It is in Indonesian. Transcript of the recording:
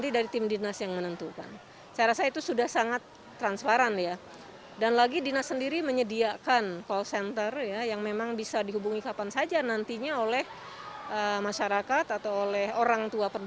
pihak sekolah menjamin pelaksanaan ppdb yang telah dihasilkan